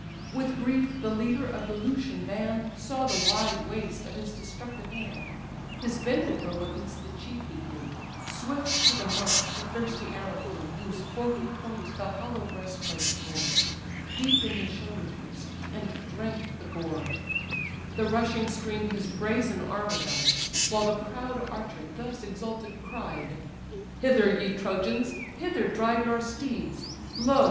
With grief the leader of the Lycian band Saw the wide waste of his destructive hand: His bended bow against the chief he drew; Swift to the mark the thirsty arrow flew, Whose forky point the hollow breastplate tore, Deep in his shoulder pierced, and drank the gore: The rushing stream his brazen armour dyed, While the proud archer thus exulting cried: "Hither, ye Trojans, hither drive your steeds! Lo!